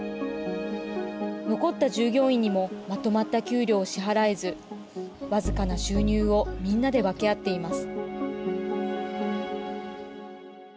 残った従業員にもまとまった給料を支払えずわずかな収入を皆で分け合っています。